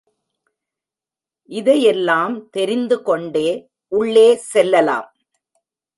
இதையெல்லாம் தெரிந்து கொண்டே உள்ளே செல்லலாம்.